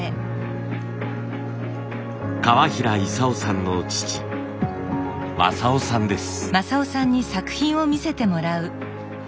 川平勇雄さんの父正男さんです。